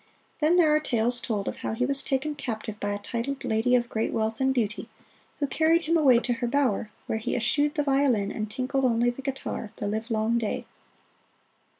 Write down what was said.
Then there are tales told of how he was taken captive by a titled lady of great wealth and beauty, who carried him away to her bower, where he eschewed the violin and tinkled only the guitar the livelong day.